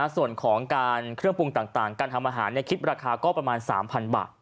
ส่วนของการเครื่องปรุงต่างการทำอาหารคิดราคาก็ประมาณ๓๐๐บาท